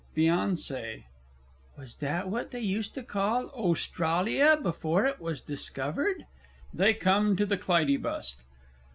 FIANCÉE. Was that what they used to call Ostralia before it was discovered? (_They come to the Clytie bust.